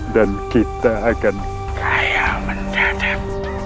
dan kita akan kaya mendadak